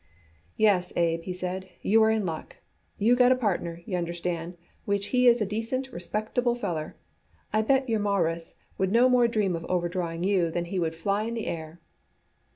"Yes, Abe," he said, "you are in luck. You got a partner, y'understand, which he is a decent respectable feller. I bet yer Mawruss would no more dream of overdrawing you, than he would fly in the air."